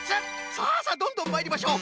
さあさあどんどんまいりましょう！